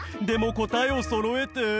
でも答えをそろえて。